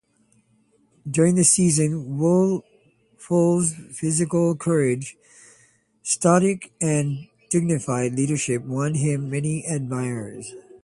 During the season, Woodfull's physical courage, stoic and dignified leadership won him many admirers.